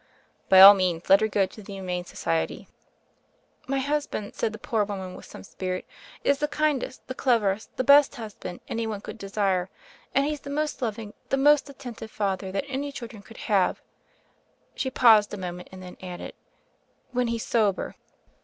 "By all means, let her go to the Humane Society." "My husband," said the poor woman, with some spirit, "is the kindest, the cleverest, the best husband any one could desire; and he's the most loving, the most attentive father that any children could have" — she paused a mo ment and then added — "when he's sober."